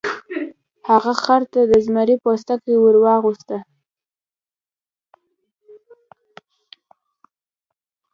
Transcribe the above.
هغه خر ته د زمري پوستکی ور واغوسته.